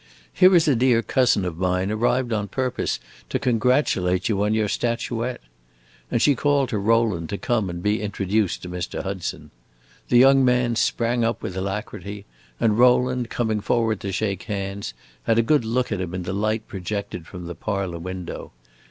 "Here is a dear cousin of mine arrived on purpose to congratulate you on your statuette." And she called to Rowland to come and be introduced to Mr. Hudson. The young man sprang up with alacrity, and Rowland, coming forward to shake hands, had a good look at him in the light projected from the parlor window.